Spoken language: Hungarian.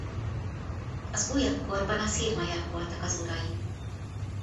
Az újabb korban a Szirmayak voltak az urai.